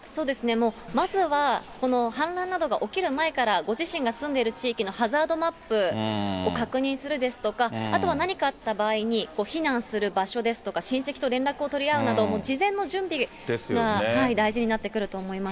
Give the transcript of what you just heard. もう、まずは氾濫などが起きる前からご自身が住んでいる地域のハザードマップを確認するですとか、あとは何かあった場合に、避難する場所ですとか、親戚と連絡を取り合うなど、事前の準備が大事になってくると思います。